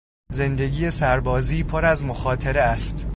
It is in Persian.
زندگی سربازی پر از مخاطره است.